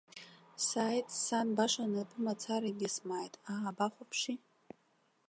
Сааит, сан баша напымацарагьы смааит, аа бахәаԥши.